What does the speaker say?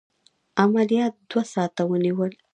عملیات دوه ساعته ونیول.